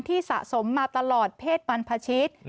ที่สะสมมาตลอดเพศวรรณพชิต